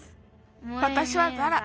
わたしはザラ。